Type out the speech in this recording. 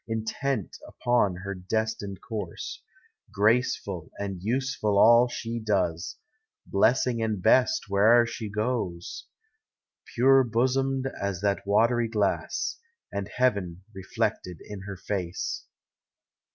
Intent upon her destined course; Graceful and useful all she does, Blessing and blest where'er she goes ; Pure bosomed as that watery glass. And Ileaven reflected in her face.